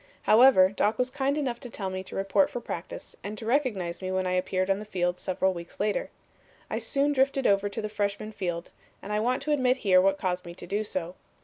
However, Doc was kind enough to tell me to report for practice and to recognize me when I appeared on the field several weeks later. I soon drifted over to the freshman field and I want to admit here what caused me to do so.